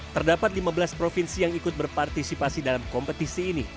terdapat lima belas provinsi yang ikut berpartisipasi dalam kompetisi ini